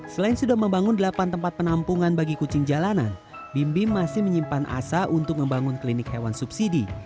selain sudah membangun delapan tempat penampungan bagi kucing jalanan bim bim masih menyimpan asa untuk membangun klinik hewan subsidi